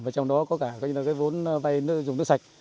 và trong đó có cả vốn vay dùng nước sạch